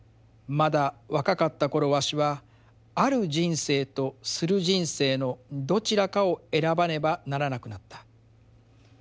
まだ若かった頃わしはある人生とする人生のどちらかを選ばねばならなくなった。